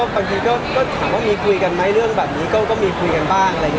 บางทีก็ถามว่ามีคุยกันไหมเรื่องแบบนี้ก็มีคุยกันบ้าง